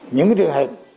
những trường hợp